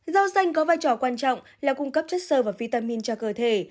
rau xanh có vai trò quan trọng là cung cấp chất sơ và vitamin cho cơ thể